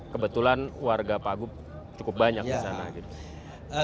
kebetulan warga pak gug cukup banyak disana